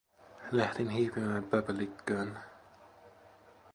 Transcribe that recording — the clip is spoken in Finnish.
Lähdin hiipimään pöpelikköön.